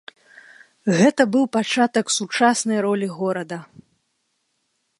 Гэта быў пачатак сучаснай ролі горада.